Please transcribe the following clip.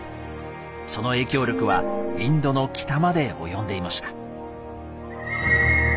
その影響力はインドの北まで及んでいました。